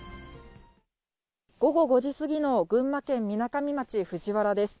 午後５時過ぎの群馬県みなかみ町藤原です。